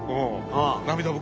涙袋。